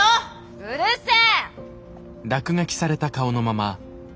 うるせえ！